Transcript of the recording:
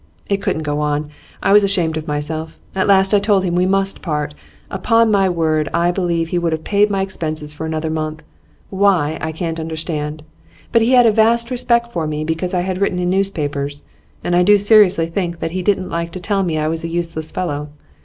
It couldn't go on; I was ashamed of myself; at last I told him that we must part. Upon my word, I believe he would have paid my expenses for another month; why, I can't understand. But he had a vast respect for me because I had written in newspapers, and I do seriously think that he didn't like to tell me I was a useless fellow.